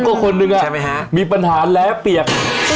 ผมก็คนนึงอ่ะใช่ไหมฮะมีปัญหาแล้วเปียก